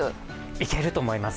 いけると思います。